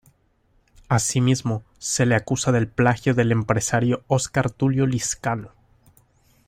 Asimismo, se le acusa del plagio del empresario Óscar Tulio Lizcano.